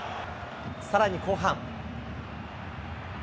さらに後半。